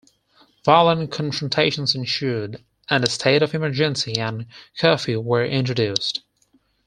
Violent confrontations ensued, and a state of emergency and curfew were introduced.